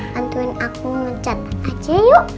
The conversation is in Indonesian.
bantuin aku ngecat aja yuk